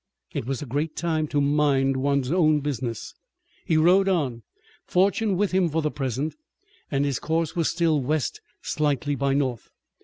It was a great time to mind one's own business. He rode on, fortune with him for the present, and his course was still west slightly by north.